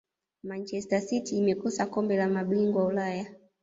manchester city imekosa kombe la mabingwa ulaya